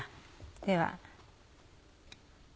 では。